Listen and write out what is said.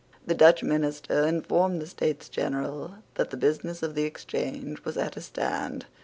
The Dutch minister informed the States General that the business of the Exchange was at a stand.